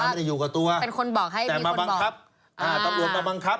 ยาไม่ได้อยู่กับตัวแต่มาบังคับตำรวจมาบังคับ